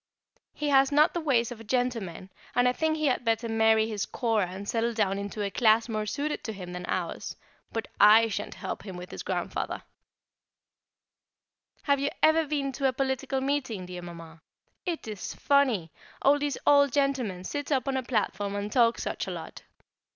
He has not the ways of a gentleman, and I think he had better marry his Cora, and settle down into a class more suited to him than ours; but I shan't help him with his Grandfather. [Sidenote: Politics and Principle] Have you ever been to a political meeting, dear Mamma? It is funny! All these old gentlemen sit up on a platform and talk such a lot.